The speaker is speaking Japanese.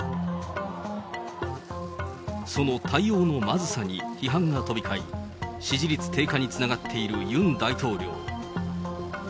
その対応のまずさに批判が飛び交い、支持率低下につながっているユン大統領。